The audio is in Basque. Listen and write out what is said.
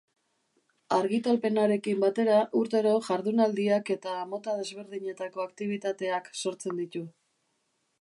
Argitalpenarekin batera urtero jardunaldiak eta mota desberdinetako aktibitateak sortzen ditu.